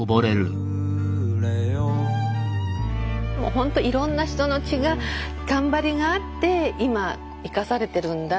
ほんといろんな人の血が頑張りがあって今生かされているんだって思うとすごいなあ。